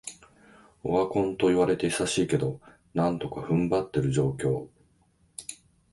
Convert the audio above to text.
オワコンと言われて久しいけど、なんとか踏ん張ってる状況